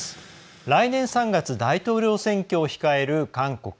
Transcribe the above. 来年３月大統領選挙を控える韓国。